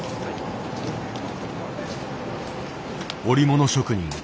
織物職人